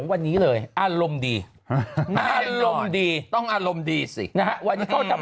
วันนี้เลยอารมณ์ดีอารมณ์ดีต้องอารมณ์ดีสินะฮะวันนี้เขาทำ